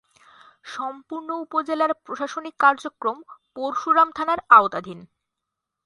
সম্পূর্ণ উপজেলার প্রশাসনিক কার্যক্রম পরশুরাম থানার আওতাধীন।